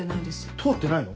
通ってないの？